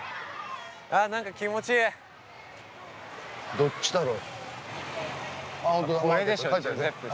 どっちだろう？